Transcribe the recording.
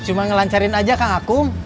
cuma ngelancarin aja kang akung